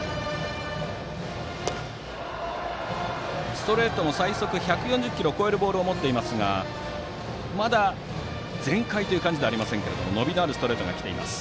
ストレートは最速１４０キロを超えるボールを持っていますがまだ全開という感じではありませんが伸びのあるストレートが来ています。